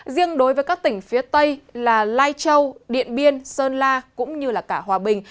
riêng đối với các tỉnh phía tây là lai châu điện biên sơn la cũng như cả hòa bình